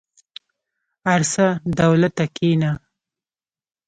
ارڅه دولته کينه.